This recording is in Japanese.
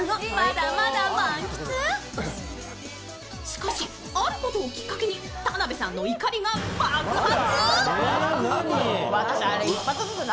しかし、あることをきっかけに田辺さんの怒りが爆発！